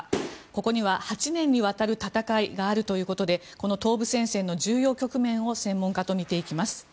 ここには８年にわたる戦いがあるということでこの東部戦線の重要局面を専門家と見ていきます。